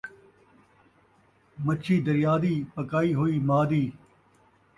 مچھی دریا دی ، پکائی ہوئی ماء دی